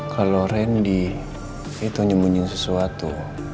kalau randy itu nyembunyi sesuatu